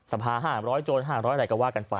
สภา๕๐๐โจร๕๐๐อะไรก็ว่ากันไป